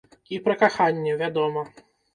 І пра каханне, вядома.